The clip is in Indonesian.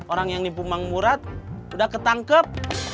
orang yang nipu mang murat udah ketangkep